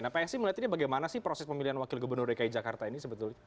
nah psi melihat ini bagaimana sih proses pemilihan wakil gubernur dki jakarta ini sebetulnya